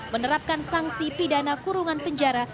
menerapkan sanksi pidana kurungan penjara